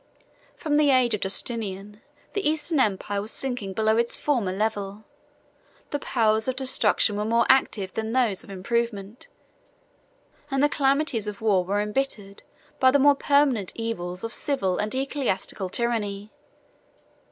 From the age of Justinian the Eastern empire was sinking below its former level; the powers of destruction were more active than those of improvement; and the calamities of war were imbittered by the more permanent evils of civil and ecclesiastical tyranny.